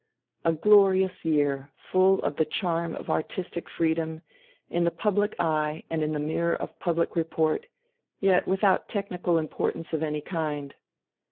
A glorious year, full of the charm of artistic freedom, in the public eye and in the mirror of public report yet without technical importance of any kind.